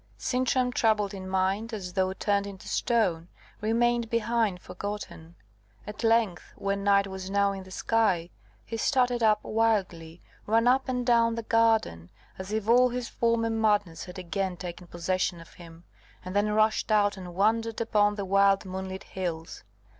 Sintram, troubled in mind, as though turned into stone, remained behind forgotten. At length, when night was now in the sky, he started up wildly, ran up and down the garden, as if all his former madness had again taken possession of him; and then rushed out and wandered upon the wild moonlit hills.